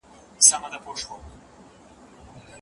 څېړونکی د خپل کار په پایلو ویاړي.